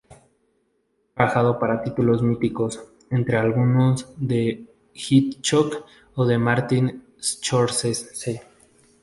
Ha trabajado para títulos míticos, entre ellos algunos de Hitchcock o de Martin Scorsese.